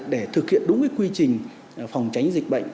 để thực hiện đúng quy trình phòng tránh dịch bệnh